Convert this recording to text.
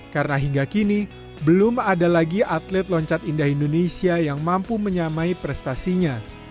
karena hingga kini belum ada lagi atlet loncat indah indonesia yang mampu menyamai prestasinya